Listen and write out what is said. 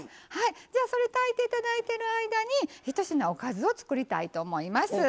それ、炊いていただいてる間にひと品おかずを作りたいと思います。